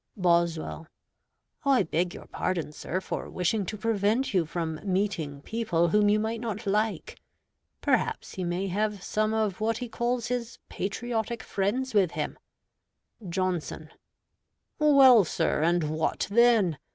Boswell I beg your pardon, sir, for wishing to prevent you from meeting people whom you might not like. Perhaps he may have some of what he calls his patriotic friends with him. Johnson Well, sir, and what then?